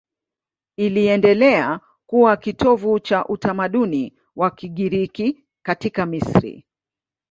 Iliendelea kuwa kitovu cha utamaduni wa Kigiriki katika Misri.